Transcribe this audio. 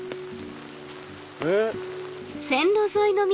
えっ？